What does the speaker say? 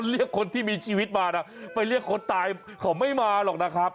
เรียกคนที่มีชีวิตมานะไปเรียกคนตายเขาไม่มาหรอกนะครับ